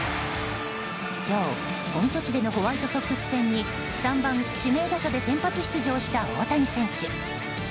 今日、本拠地でのホワイトソックス戦に３番指名打者で先発出場した大谷選手。